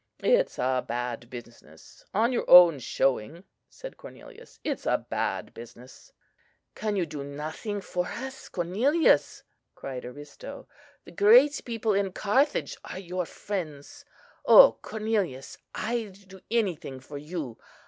"It's a bad business, on your own showing," said Cornelius: "it's a bad business!" "Can you do nothing for us, Cornelius?" cried Aristo. "The great people in Carthage are your friends. O Cornelius! I'd do anything for you!